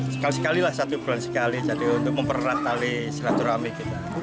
sekali sekalilah satu bulan sekali jadi untuk mempererat tali silaturahmi kita